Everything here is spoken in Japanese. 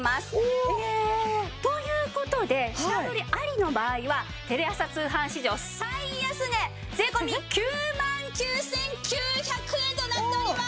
ええ！という事で下取りありの場合はテレ朝通販史上最安値税込９万９９００円となっております！